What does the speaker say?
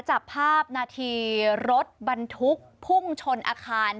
จับภาพนาทีรถบรรทุกพุ่งชนอาคาร